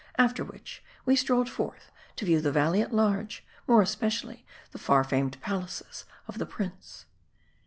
After which, we strolled forth to view the valley at large ; more especially the far famed palaces of the prince.